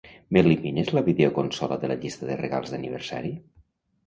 M'elimines la videoconsola de la llista de regals d'aniversari?